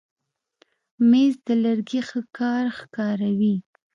مېز د لرګي ښه کار ښکاروي.